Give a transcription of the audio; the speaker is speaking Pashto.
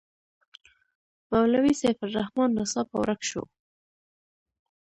مولوي سیف الرحمن ناڅاپه ورک شو.